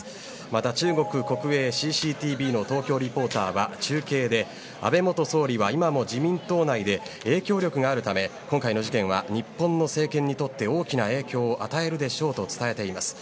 また、中国国営ＣＣＴＶの東京リポーターは中継で安倍元総理は今も自民党内で影響力があるため、今回の事件は日本の政権にとって大きな影響を与えるでしょうと伝えています。